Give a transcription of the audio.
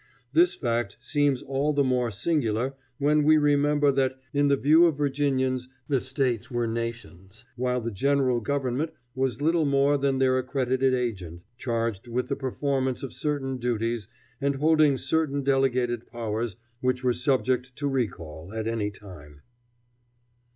This fact seems all the more singular when we remember that in the view of Virginians the States were nations, while the general government was little more than their accredited agent, charged with the performance of certain duties and holding certain delegated powers which were subject to recall at any time.